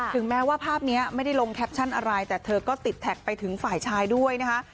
ถึงแม้ว่าภาพนี้ไม่ได้ลงแคปชั่นอะไรแต่เธอก็ติดแท็กไปถึงฝ่ายชายด้วยนะคะ